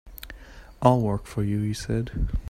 "I'll work for you," he said.